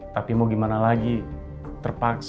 tapi mau gimana lagi terpaksa